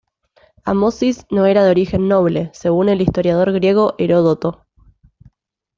Amosis no era de origen noble, según el historiador griego Heródoto.